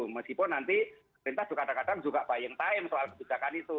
meskipun nanti perintah juga kadang kadang juga buying time soal kebijakan itu